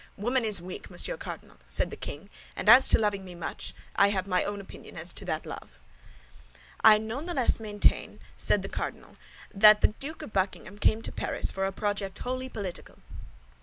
"Woman is weak, Monsieur Cardinal," said the king; "and as to loving me much, I have my own opinion as to that love." "I not the less maintain," said the cardinal, "that the Duke of Buckingham came to Paris for a project wholly political."